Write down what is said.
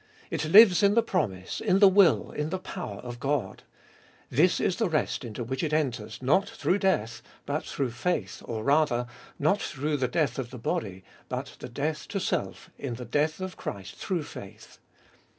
It lives in the promise, in the will, in the power of God. This is the rest into which it enters, not through death, but through faith, or rather, not through the death of the body, but the death to self in the death of Christ through faith.